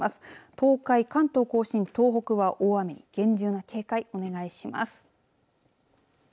東海、関東甲信、東北は大雨に厳重な警戒、お願いします。